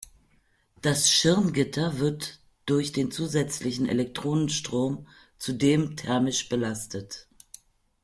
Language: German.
Das Schirmgitter wird durch den zusätzlichen Elektronenstrom zudem thermisch belastet.